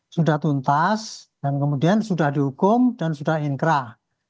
sudah tuntas dan kemudian sudah dihukum dan sudah inkrah